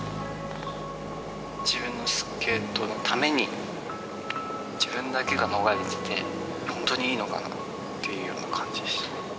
自分のスケートのために、自分だけが逃れてて、本当にいいのかなっていう感じでした。